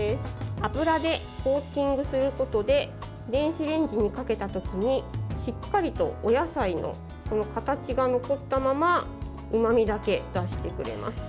油でコーティングすることで電子レンジにかけた時にしっかりとお野菜の形が残ったままうまみだけ出してくれます。